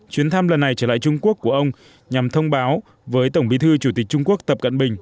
chuyến thăm lần này trở lại trung quốc của ông nhằm thông báo với tổng bí thư chủ tịch trung quốc tập cận bình